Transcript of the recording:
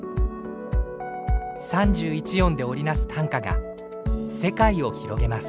３１音で織り成す短歌が世界を広げます。